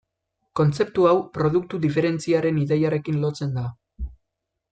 Kontzeptu hau, produktu diferentziaren ideiarekin lotzen da.